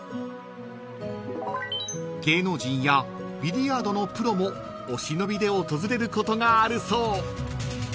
［芸能人やビリヤードのプロもお忍びで訪れることがあるそう］